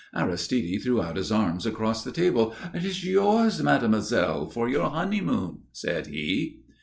Aristide threw out his arms across the table. "It is yours, mademoiselle, for your honeymoon," said he.